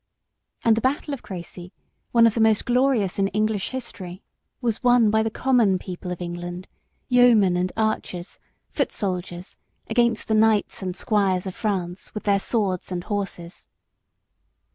And the battle of Creçy, one of the most glorious in English History, was won by the common people of England, yeomen and archers, foot soldiers against the knights and squires of France with their swords and horses.